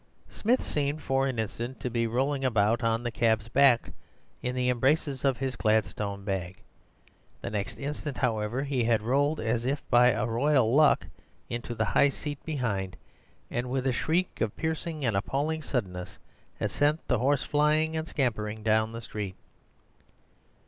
Smith seemed for an instant to be rolling about on the cab's back in the embraces of his Gladstone bag. The next instant, however, he had rolled, as if by a royal luck, into the high seat behind, and with a shriek of piercing and appalling suddenness had sent the horse flying and scampering down the street.